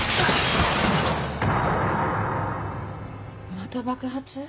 また爆発？